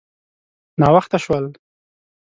_ناوخته شول.